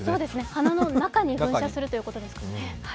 鼻の中に噴射するということですからね。